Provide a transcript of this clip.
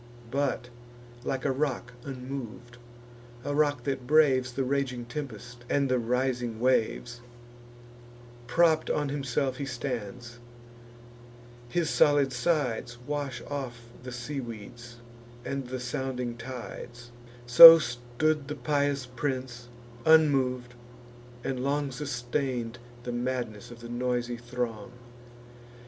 But, like a rock unmov'd, a rock that braves The raging tempest and the rising waves, Propp'd on himself he stands; his solid sides Wash off the seaweeds, and the sounding tides: So stood the pious prince, unmov'd, and long Sustain'd the madness of the noisy throng.